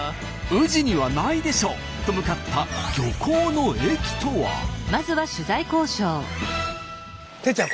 宇治にはないでしょと向かったてっちゃん